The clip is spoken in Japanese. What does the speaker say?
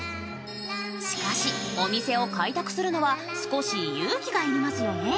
しかしお店を開拓するのは少し勇気が要りますよね。